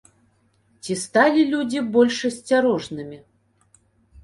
Ці сталі людзі больш асцярожнымі?